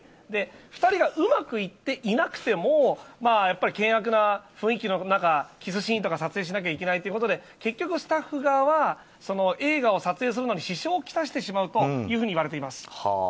２人がうまくいっていなくても険悪な雰囲気の中キスシーンとか撮影しないといけないということで結局、スタッフ側は映画を撮影するのに支障を来してしまうといわれています。